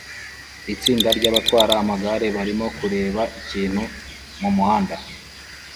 Itsinda ryabatwara amagare barimo kureba ikintu mumuhanda